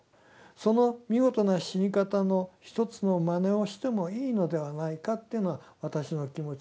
その見事な死に方の一つのまねをしてもいいのではないかというのが私の気持ちで。